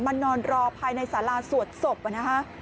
นอนรอภายในสาราสวดศพนะฮะ